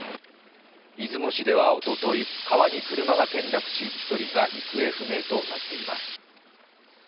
出雲市ではおととい、川に車が転落し１人が行方不明となっています。